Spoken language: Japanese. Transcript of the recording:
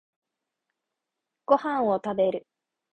ご飯を食べる